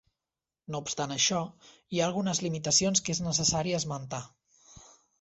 No obstant això, hi ha algunes limitacions que és necessari esmentar.